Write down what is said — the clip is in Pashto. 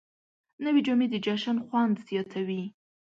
نوې جامې د جشن خوند زیاتوي